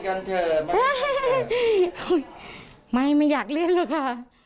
กันเถอะไม่ไม่อยากเล่นหรอกค่ะ